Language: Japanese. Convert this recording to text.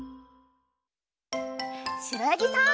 しろやぎさん。